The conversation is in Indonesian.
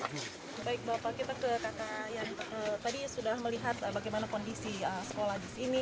jadi bagaimana kondisi sekolah di sini